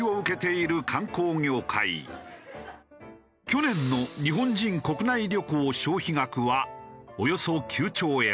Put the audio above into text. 去年の日本人国内旅行消費額はおよそ９兆円。